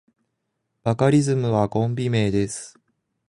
バカリズムはコンビ名です。